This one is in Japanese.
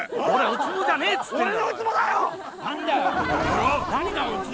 ウツボじゃねえっつってんだろ。